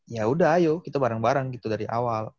ya udah ayo kita bareng bareng gitu dari awal